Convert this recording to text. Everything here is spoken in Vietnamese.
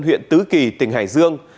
huyện tứ kỳ tỉnh hải dương